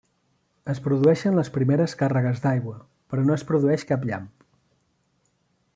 Es produeixen les primeres càrregues d'aigua, però no es produeix cap llamp.